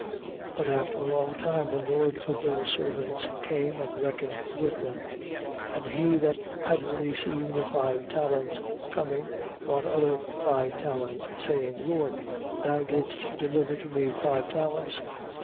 25:19. But after a long time the lord of those servants came and reckoned with them. 25:20. And he that had received the five talents coming, brought other five talents, saying: Lord, thou didst deliver to me five talents.